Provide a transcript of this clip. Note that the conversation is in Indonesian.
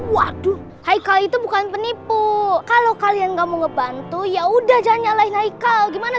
waduh haikal itu bukan penipu kalau kalian nggak mau ngebantu ya udah jangan nyalai naik kau gimana